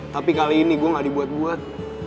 tapi kali ini gue gak dibuat buat